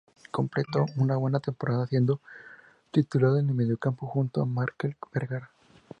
Completó una buena temporada siendo titular en el mediocampo junto a Markel Bergara.